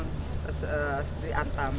kelemahan kita selama ini karena antam